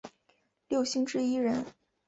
六星之一人。